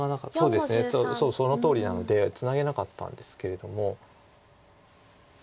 そうですねそのとおりなのでツナげなかったんですけれども。